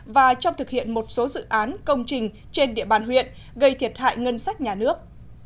và trong thực hiện một số dự án công trình trên địa bàn huyện gây thiệt hại ngân sách nhà nước